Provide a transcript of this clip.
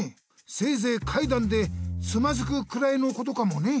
せいぜいかいだんでつまずくくらいのことかもね。